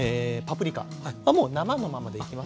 もう生のままでいきます。